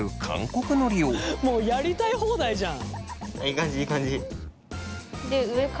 もうやりたい放題じゃん。